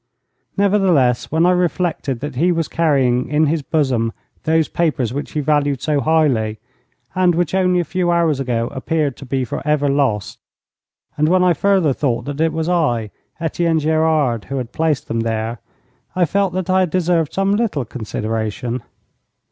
Nevertheless, when I reflected that he was carrying in his bosom those papers which he valued so highly, and which only a few hours ago appeared to be for ever lost, and when I further thought that it was I, Etienne Gerard, who had placed them there, I felt that I had deserved some little consideration.